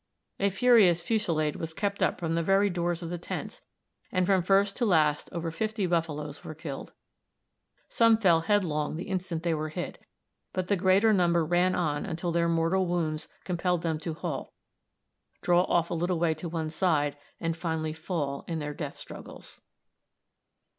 A furious fusilade was kept up from the very doors of the tents, and from first to last over fifty buffaloes were killed. Some fell headlong the instant they were hit, but the greater number ran on until their mortal wounds compelled them to halt, draw off a little way to one side, and finally fall in their death struggles.